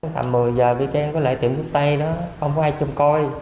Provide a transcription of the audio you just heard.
tầm một mươi giờ bị khen có lấy tiền thuốc tây đó không có ai chung coi